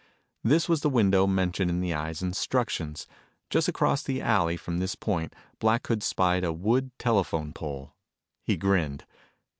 This was the window mentioned in the Eye's instructions. Just across the alley from this point, Black Hood spied a wood telephone pole. He grinned.